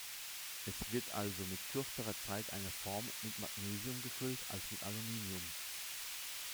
Es wird also mit kürzerer Zeit eine Form mit Magnesium gefüllt als mit Aluminium.